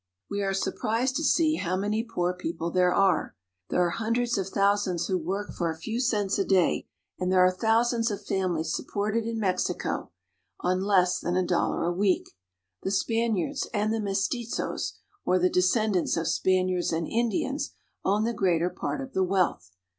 We are surprised to see how many poor people there ^40 MEXICO. Chapultepec. are. There are hundreds of thousands who work for a few cents a day, and there are thousands of famihes supported in Mexico on less than a dollar a week. The Spaniards and the mestizos, or the descendants of Spaniards and Indians, own the greater part of the wealth.